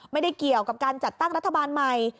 ไม่ได้เกี่ยวกับการจัดตั้งรัฐบาลใหม่